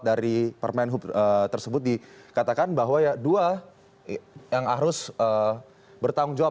dari permen hub tersebut dikatakan bahwa dua yang harus bertanggung jawab